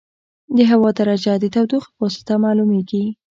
د هوا درجه د تودوخې په واسطه معلومېږي.